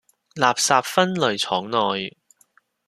垃圾分類廠內